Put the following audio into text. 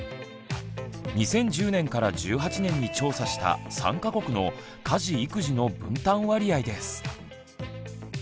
２０１０年から１８年に調査した３か国の「家事育児の分担割合」です。